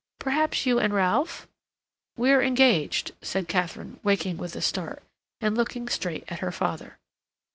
Perhaps you and Ralph—" "We're engaged," said Katharine, waking with a start, and looking straight at her father.